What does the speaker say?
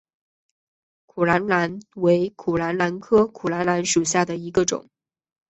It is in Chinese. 苦槛蓝为苦槛蓝科苦槛蓝属下的一个种。